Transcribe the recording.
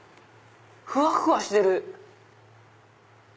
ふわふわしてる！